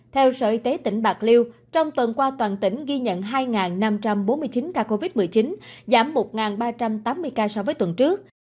theo sở y tế tỉnh bạc liêu trong tuần qua toàn tỉnh ghi nhận hai năm trăm bốn mươi chín ca covid một mươi chín giảm một ba trăm tám mươi ca so với tuần trước